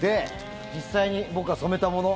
実際に僕が染めたもの